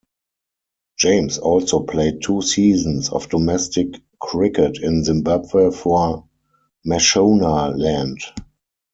James also played two seasons of domestic cricket in Zimbabwe for Mashonaland.